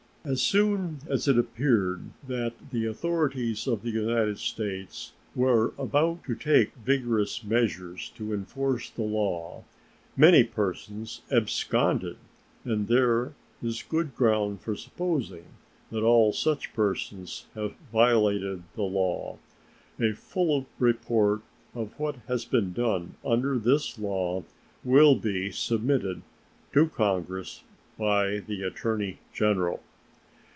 As soon as it appeared that the authorities of the United States were about to take vigorous measures to enforce the law, many persons absconded, and there is good ground for supposing that all of such persons have violated the law. A full report of what has been done under this law will be submitted to Congress by the Attorney General.